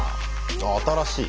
あ新しい。